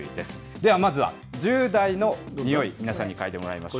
ではまずは１０代のにおい、皆さんに嗅いでもらいます。